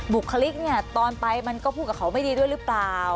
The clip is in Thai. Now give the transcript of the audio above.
บุคลิกเนี่ยตอนไปมันก็พูดกับเขาไม่ดีด้วยหรือเปล่า